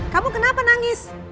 kamu kenapa nangis